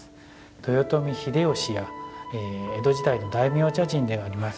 豊臣秀吉や江戸時代の大名茶人であります